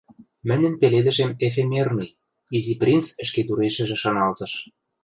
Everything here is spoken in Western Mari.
Мӹньӹн пеледӹшем эфемерный, Изи принц ӹшкедурешӹжӹ шаналтыш